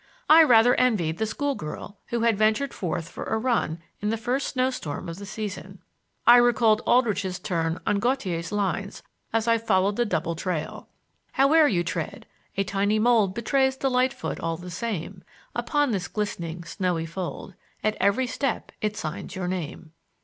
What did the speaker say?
I rather envied the school girl who had ventured forth for a run in the first snow storm of the season. I recalled Aldrich's turn on Gautier's lines as I followed the double trail: "Howe'er you tread, a tiny mould Betrays that light foot all the same; Upon this glistening, snowy fold At every step it signs your name."